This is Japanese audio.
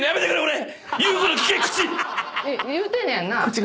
言うてんのやんな？